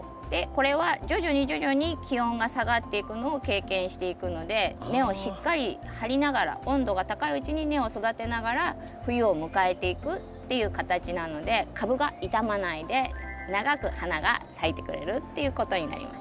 これは徐々に徐々に気温が下がっていくのを経験していくので根をしっかり張りながら温度が高いうちに根を育てながら冬を迎えていくっていう形なので株が傷まないで長く花が咲いてくれるっていうことになります。